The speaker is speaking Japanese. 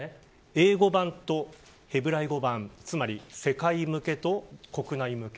英語版とヘブライ語版つまり世界向けと国内向け。